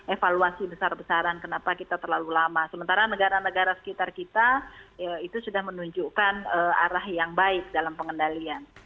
evaluasi besar besaran kenapa kita terlalu lama sementara negara negara sekitar kita itu sudah menunjukkan arah yang baik dalam pengendalian